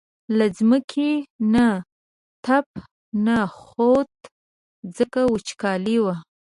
له ځمکې نه تپ نه خوت ځکه وچکالي وه.